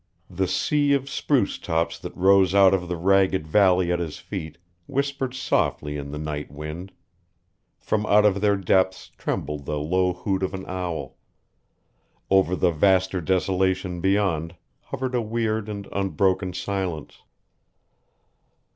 The sea of spruce tops that rose out of the ragged valley at his feet whispered softly in the night wind; from out of their depths trembled the low hoot of an owl; over the vaster desolation beyond hovered a weird and unbroken silence.